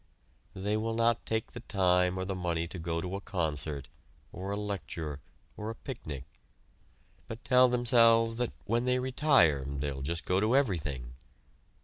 They will not take the time or the money to go to a concert, or a lecture, or a picnic, but tell themselves that when they retire they will just go to everything.